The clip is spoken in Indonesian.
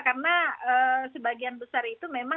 karena sebagian besar itu memang